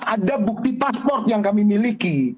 ada bukti pasport yang kami miliki